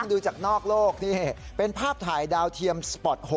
ต้องดูจากนอกโลกเป็นภาพถ่ายดาวเทียมสปอต์๖